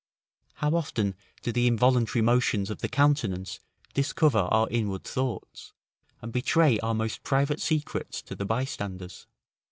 How often do the involuntary motions of the countenance discover our inward thoughts, and betray our most private secrets to the bystanders.